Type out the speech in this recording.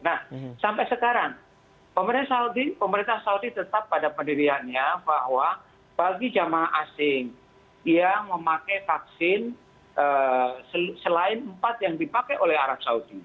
nah sampai sekarang pemerintah saudi tetap pada pendiriannya bahwa bagi jemaah asing yang memakai vaksin selain empat yang dipakai oleh arab saudi